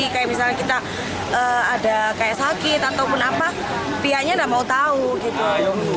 kayak misalnya kita ada kayak sakit ataupun apa pihaknya tidak mau tahu gitu